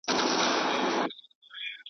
چې هم دغه شان ګمنام دې ګرزؤمه